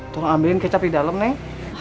tolong ambilin kecap di dalam nih